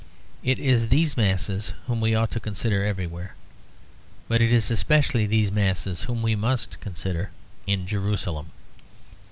It is these masses whom we ought to consider everywhere; but it is especially these masses whom we must consider in Jerusalem.